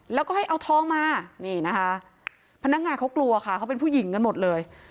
แล้วก็ให้เอาทองมานี่นะคะพนักงานเขากลัวค่ะเขาเป็นผู้หญิงกันหมดเลย